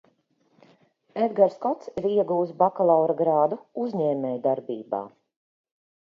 Edgars Kots ir ieguvis bakalaura grādu uzņēmējdarbībā.